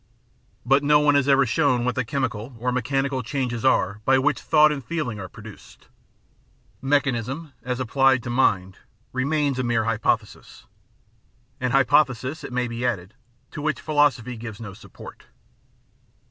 But no one has ever shown what the chemical or mechanical changes are by which thought and feeling are produced. Mech anism, as applied to mind, remains a mere hypothesis, an hypothesis, it may be added, to which philosophy gives no support.